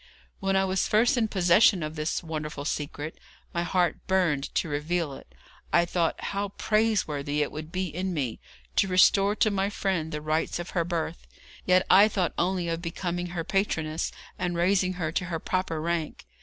When I was first in possession of this wonderful secret, my heart burned to reveal it. I thought how praiseworthy it would be in me to restore to my friend the rights of her birth; yet I thought only of becoming her patroness, and raising her to her proper rank.